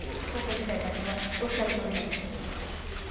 そういった事態になるのはおっしゃるとおりだと思います。